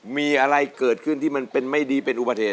มีอะไรเกิดขึ้นที่มันเป็นไม่ดีเป็นอุบัติเหตุ